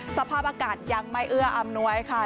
สภาพอากาศยังไม่เอื้ออำนวยค่ะ